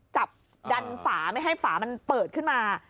จับดันฝาไม่ให้ฝามันเปิดขึ้นมา